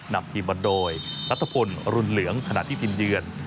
นำทีมมาโดยนัทพลรุนเหลืองขณะที่ทีมเยือน